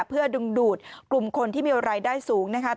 เพื่อดึงดูดกลุ่มคนที่มีรายได้สูงนะคะ